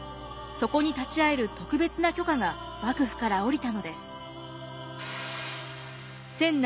そこに立ち会える特別な許可が幕府から下りたのです。